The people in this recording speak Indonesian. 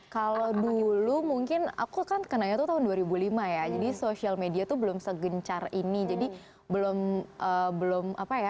kalau dulu mungkin aku kan kenanya tuh tahun dua ribu lima ya jadi social media itu belum segencar ini jadi belum belum apa ya